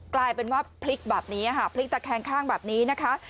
กลายเป็นว่าพลิกแค่งข้างแบบนี้นะคะ